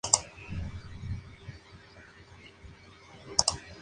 Estos indican si el daño del agua ha afectado al dispositivo.